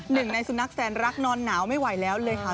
หนึ่งในสุนัขแสนรักนอนหนาวไม่ไหวแล้วเลยค่ะ